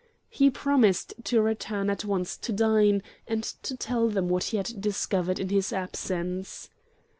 He promised to return at once to dine, and to tell them what he had discovered in his absence.